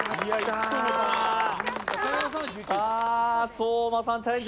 相馬さん、チャレンジ